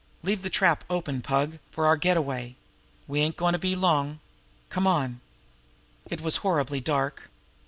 Leave the trap open, Pug, for our getaway. We ain't goin' to be long. Come on!" It was horribly dark.